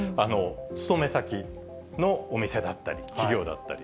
勤め先のお店だったり企業だったり。